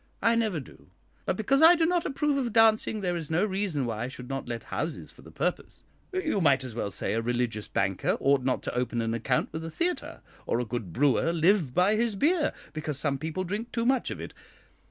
"I never do; but because I do not approve of dancing, there is no reason why I should not let houses for the purpose. You might as well say a religious banker ought not to open an account with a theatre, or a good brewer live by his beer, because some people drink too much of it.